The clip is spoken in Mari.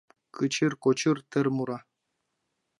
Кычыр-кочыр тер мура